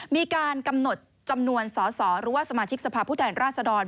มีการกำหนดจำนวนสอสอหรือว่าสมาชิกสภาพผู้แทนราชดร